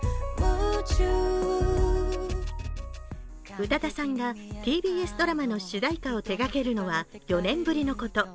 宇多田さんがＴＢＳドラマの主題歌を手がけるのは４年ぶりのこと。